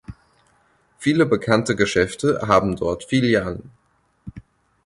Viele bekannte Geschäfte haben dort Filialen.